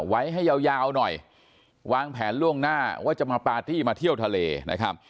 ไว้ให้ยาวยาวหน่อยวางแผนล่วงหน้าว่าจะมาปาร์ตี้มาเที่ยวทะเลนะครับ